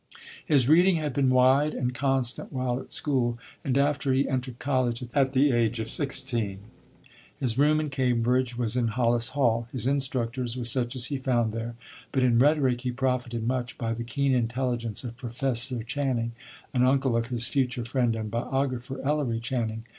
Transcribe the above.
His reading had been wide and constant while at school, and after he entered college at the age of sixteen. His room in Cambridge was in Hollis Hall; his instructors were such as he found there, but in rhetoric he profited much by the keen intelligence of Professor Channing, an uncle of his future friend and biographer, Ellery Channing.